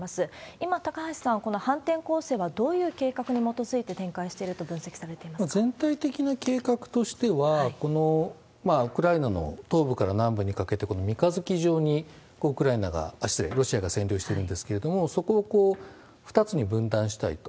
今、高橋さん、この反転攻勢はどういう計画に基づいて展開していると分析されて全体的な計画としては、このウクライナの東部から南部にかけて、三日月状に、ウクライナが、あっ、失礼、ロシアが占領してるんですけれども、そこを２つに分断したいと。